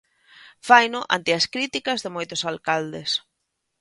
Faino ante as críticas de moitos alcaldes.